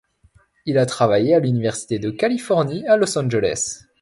Il a travaillé à l'Université de Californie à Los Angeles.